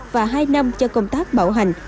và hai năm cho công tác bảo hành